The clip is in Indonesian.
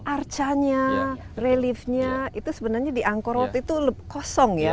arcanya reliefnya itu sebenarnya di angkor waktu itu kosong ya